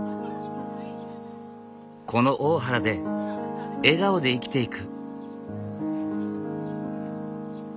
この大原で笑顔で生きていく。